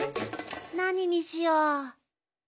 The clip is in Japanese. なににしよう！